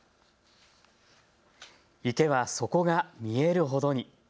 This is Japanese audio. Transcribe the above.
池は底が見えるほどに。